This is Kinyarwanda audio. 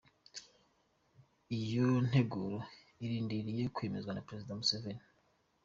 Iyo nteguro irindiriye kwemezwa na Prezida Museveni.